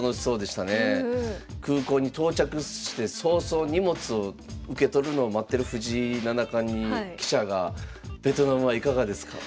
空港に到着して早々荷物を受け取るのを待ってる藤井七冠に記者が「ベトナムはいかがですか？」って聞いて。